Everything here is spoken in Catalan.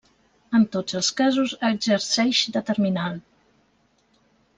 En tots els casos exerceix de terminal.